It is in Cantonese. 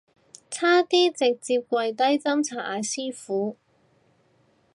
差啲直接跪低斟茶嗌師父